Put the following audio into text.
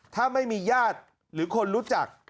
ถ้าไม่มีญาติหรือคนรู้จัก